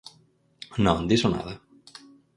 Non, diso nada.